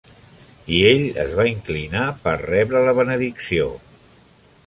' I ell es va inclinar per rebre la benedicció.